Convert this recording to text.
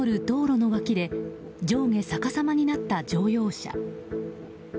道路の脇で上下逆さまになった乗用車。